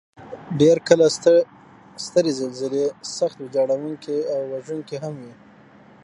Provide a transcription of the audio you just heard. ډېر کله سترې زلزلې سخت ویجاړونکي او وژونکي هم وي.